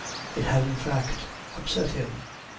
It had, in fact, upset him.